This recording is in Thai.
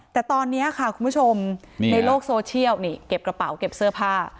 แต่ตอนนี้ค่ะคุณผู้ชมในโลกโซเชียลนี่เก็บกระเป๋าเก็บเสื้อผ้า